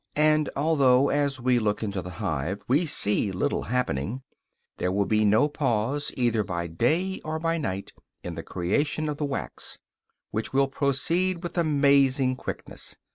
And although, as we look into the hive, we see little happening, there will be no pause, either by day or by night, in the creation of the wax, which will proceed with amazing quickness.